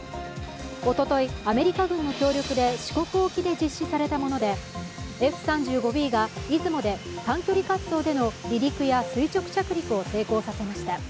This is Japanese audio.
おととい、アメリカ軍の協力で四国沖で実施されたものでＦ３５Ｂが「いずも」で短距離滑走での離陸や垂直着陸を成功させました。